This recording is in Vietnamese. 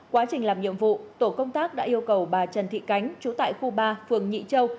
quá trình làm nhiệm vụ tổ công tác đã yêu cầu bà trần thị cánh trú tại khu ba phường nhị châu